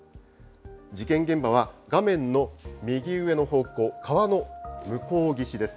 事件現場は、画面の右上の方向、川の向こう岸です。